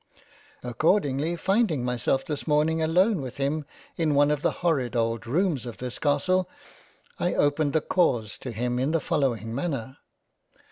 Accordingly finding my self this Morning alone with him in one of the horrid old rooms of this Castle, I opened the cause to him in the follow ing Manner.